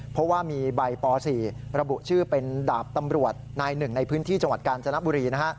เพราะว่ามีใบป๔ระบุชื่อเป็นดาบตำรวจนายหนึ่งในพื้นที่จังหวัดกาญจนบุรี